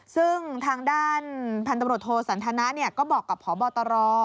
ซึ่งทางด้านพันธบรวจโทสันทนะก็บอกกับพบตร